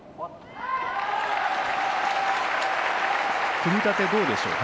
組み立てはどうでしょうか？